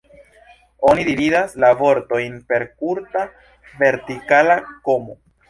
Oni dividas la vortojn per kurta vertikala komo.